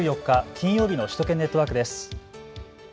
金曜日の首都圏ネットワークです。